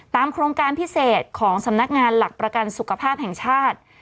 โครงการพิเศษของสำนักงานหลักประกันสุขภาพแห่งชาติ